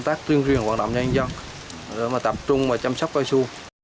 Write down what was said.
tập trung và chăm sóc cao su